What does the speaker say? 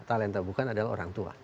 talenta bukan adalah orang tua